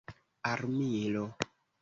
armilo